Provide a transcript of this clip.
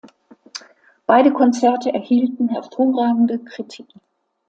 Beide Konzerte erhielten hervorragende Kritiken.